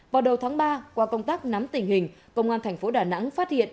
vào đầu tháng ba qua công tác nắm tình hình công an thành phố đà nẵng phát hiện